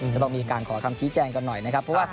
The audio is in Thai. ถ้าบอกมีการขอคำชี่แทรงกันหน่อยนะครับ